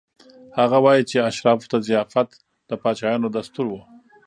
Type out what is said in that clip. هغه وايي چې اشرافو ته ضیافت د پاچایانو دستور و.